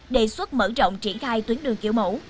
đề xuất mở rộng triển khai tuyến đường kiểu mẫu